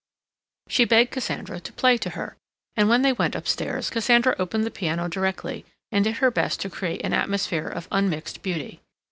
She begged Cassandra to play to her, and when they went upstairs Cassandra opened the piano directly, and did her best to create an atmosphere of unmixed beauty.